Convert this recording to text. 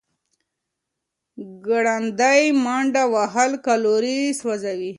ګړندۍ منډه وهل کالوري سوځوي.